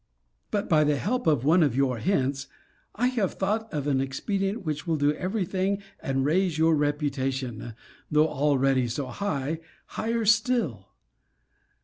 But, by the help of one of your hints, I have thought of an expedient which will do ever thing, and raise your reputation, though already so high, higher still.